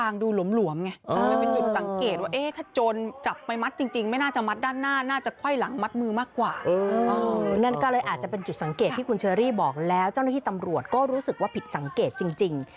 ในจังหวัดเหรอ